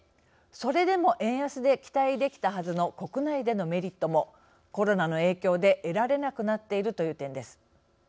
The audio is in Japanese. それでも円安で期待できたはずの国内でのメリットもコロナの影響で得られなくなっているという点です。